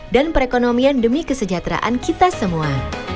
dan perekonomian demi kesejahteraan kita semua